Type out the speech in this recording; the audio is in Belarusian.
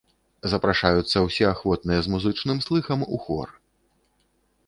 Запрашаюцца ўсе ахвотныя з музычным слыхам у хор.